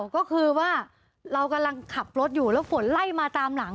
ก็คือว่าเรากำลังขับรถอยู่แล้วฝนไล่มาตามหลัง